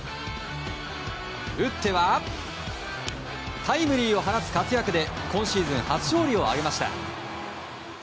打ってはタイムリーを放つ活躍で今シーズン初勝利を挙げました。